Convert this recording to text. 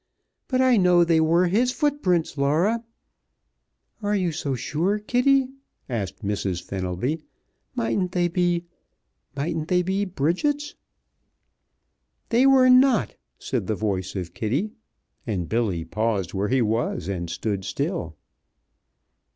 But I know they were his foot prints, Laura." "Are you so sure, Kitty?" asked Mrs. Fenelby. "Mightn't they be mightn't they be Bridget's?" "They were not," said the voice of Kitty, and Billy paused where he was and stood still.